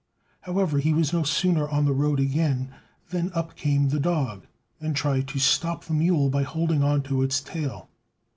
However, he was no sooner on the road again, than up came the dog, and tried to stop the mule by holding on to its tail.